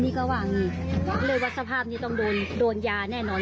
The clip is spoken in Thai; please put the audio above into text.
นี่ก็ว่างี่เลยวัดสภาพนี้ต้องโดนยาแน่นอน